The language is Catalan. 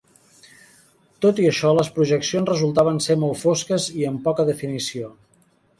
Tot i això, les projeccions resultaven ser molt fosques i amb poca definició.